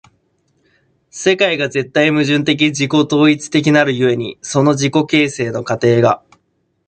世界が絶対矛盾的自己同一的なる故に、その自己形成の過程が